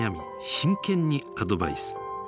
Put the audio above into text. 真剣にアドバイス。